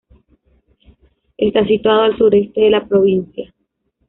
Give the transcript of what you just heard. Está situado al sureste de la provincia.